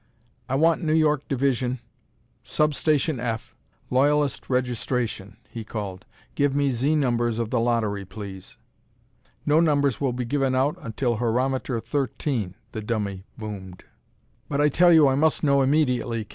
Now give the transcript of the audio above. "I want New York Division, Sub station F, Loyalist Registration," he called. "Give me Z numbers of the lottery, please." "No numbers will be given out until Horometer 13," the dummy boomed. "But I tell you I must know immediately!"